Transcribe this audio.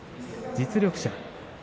実力者。